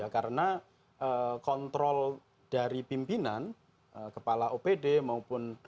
karena kontrol dari pimpinan kepala opd maupun